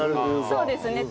そうですね。